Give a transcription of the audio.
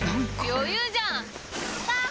余裕じゃん⁉ゴー！